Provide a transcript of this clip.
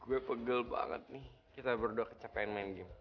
gue pegel banget nih kita berdua kecapean main game